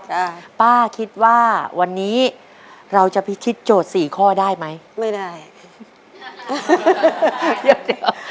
อ่าป้าคิดว่าวันนี้เราจะพิชิตโจทย์สี่ข้อได้ไหมไม่ได้เดี๋ยว